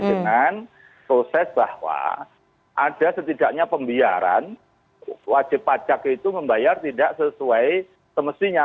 dengan proses bahwa ada setidaknya pembiaran wajib pajak itu membayar tidak sesuai semestinya